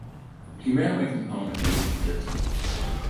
He ran away from home at the age of thirteen.